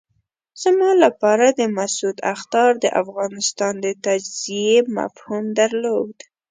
زما لپاره د مسعود اخطار د افغانستان د تجزیې مفهوم درلود.